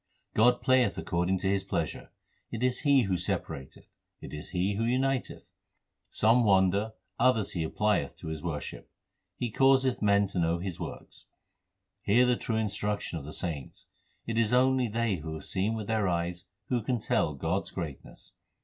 God playeth according to His pleasure : It is He who separateth, it is He who uniteth. Some wander, others He applieth to His worship. He causeth man to know His works. Hear the true instruction of the saints It is only they who have seen with their eyes who can tell God s greatness.